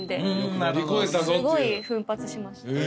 すごい奮発しました。